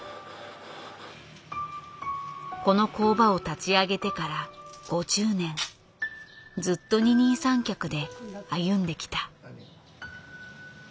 この工場を立ち上げてから５０年ずっと二人三脚で歩んできた。